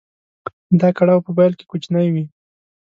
دا کړاو په پيل کې کوچنی وي.